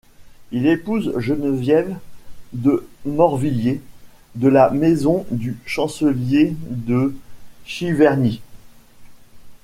Il épouse Géneviève de Morvilliers, de la maison du Chancelier de Chyverny.